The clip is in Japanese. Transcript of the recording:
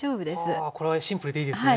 ああこれはシンプルでいいですね。